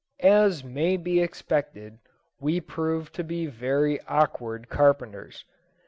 As may be expected, we proved to be very awkward carpenters.